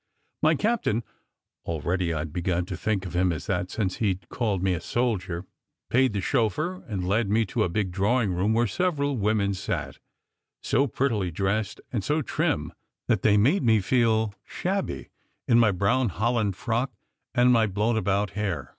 My captain (already I d begun to think of him as that, since he d called me a soldier) paid the chauffeur and led me to a big drawing room where several women sat, so prettily dressed and so trim that they made me feel shabby in my brown holland frock and my blown about hair.